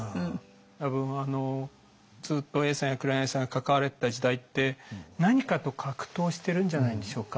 多分ずっと永さんや黒柳さんが関われてた時代って何かと格闘しているんじゃないんでしょうか。